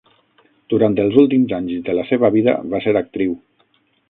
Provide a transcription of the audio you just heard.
Durant els últims anys de la seva vida, va ser actriu.